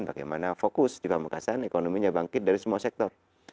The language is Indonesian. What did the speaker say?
bagaimana fokus di pamekasan ekonominya bangkit dari semua sektor